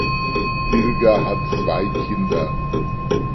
Dilger hat zwei Kinder.